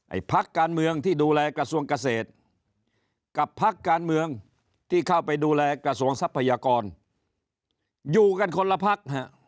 พักการเมืองที่ดูแลกระทรวงเกษตรกับพักการเมืองที่เข้าไปดูแลกระทรวงทรัพยากรอยู่กันคนละพักฮะ